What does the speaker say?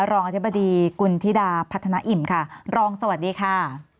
อธิบดีกุณฑิดาพัฒนาอิ่มค่ะรองสวัสดีค่ะ